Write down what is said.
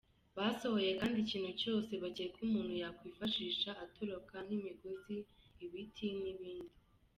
Basohoye kandi ikintu cyose bakeka umuntu yakwifashisha atoroka nk’imigozi, ibiti…n’ibindi.